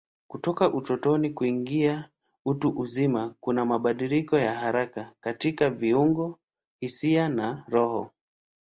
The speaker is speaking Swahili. Kutoka utotoni kuingia utu uzima kuna mabadiliko ya haraka katika viungo, hisia na roho.